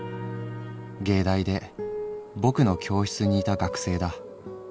藝大でぼくの教室にいた学生だ。